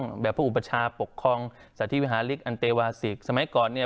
แบบพระอุปชาปกครองสาธิวิหาลิกอันเตวาศิกสมัยก่อนเนี่ย